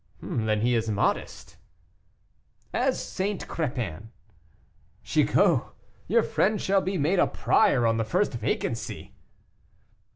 "Then he is modest?" "As St. Crepin." "Chicot, your friend shall be made a prior on the first vacancy."